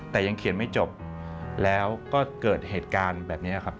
แต่ยังเขียนไม่จบแล้วก็เกิดเหตุการณ์แบบนี้ครับ